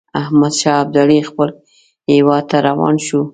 احمدشاه ابدالي خپل هیواد ته روان شو.